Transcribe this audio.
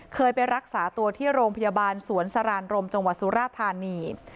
เคยไปรักษาตัวที่โรงพยาบาลสวนสรานรมจังหวัดสุราธานี